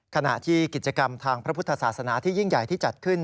ขณะที่กิจกรรมทางพระพุทธศาสนาที่ยิ่งใหญ่ที่จัดขึ้น